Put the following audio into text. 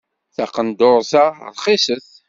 Taqendurt-a rxiset.